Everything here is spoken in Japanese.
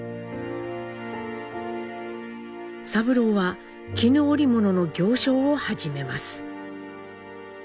三郎は絹織物の行商を始めます。